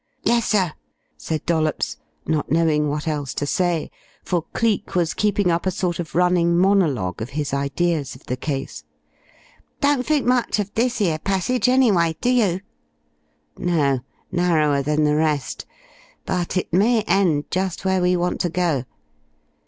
"Yessir," said Dollops, not knowing what else to say, for Cleek was keeping up a sort of running monologue of his ideas of the case. "Don't think much uv this 'ere passage, anyway, do you?" "No narrower than the rest. But it may end just where we want to go.